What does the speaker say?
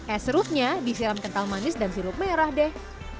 es serutnya disiram kental manis dan sirup merah deh